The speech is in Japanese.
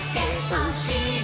「おしり